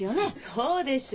そうでしょ。